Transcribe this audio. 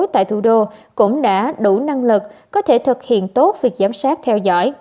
tại thủ đô cũng đã đủ năng lực có thể thực hiện tốt việc giám sát theo dõi